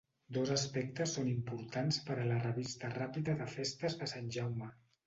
Dos aspectes són importants per a la revista Ràpita de festes de Sant Jaume.